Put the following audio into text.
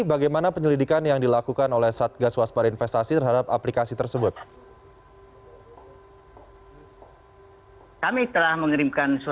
bagaimana penyelidikan yang dilakukan oleh satgas waspada investasi terhadap aplikasi tersebut